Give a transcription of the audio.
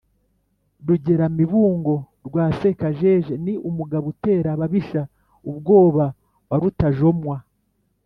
Rugeramibungo rwa Sekajeje ni Umugabo utera ababisha ubwoba wa Rutajomwa